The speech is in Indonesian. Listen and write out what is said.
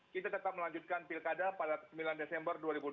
kita tetap melanjutkan pilkada pada sembilan desember dua ribu dua puluh